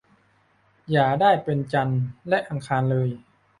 อย่าได้เป็นจันทร์และอังคารเลย